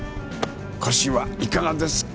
腰はいかがですか？